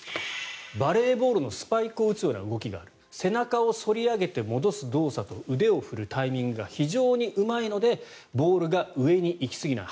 バレーボールのスパイクを打つような動きになる背中を反り上げて戻す動作と腕を振るタイミングが非常にうまいのでボールが上に行き過ぎない。